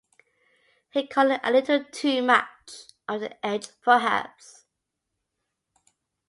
He called it "a little too much over the edge perhaps".